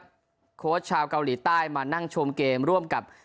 หรือจองวานครับโคชชาวเกาหลีใต้มานั่งชมเกมร่วมกับ